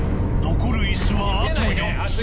残るいすはあと４つ。